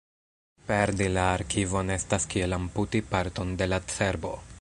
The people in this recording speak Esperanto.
Perdi la arkivon estas kiel amputi parton de la cerbo.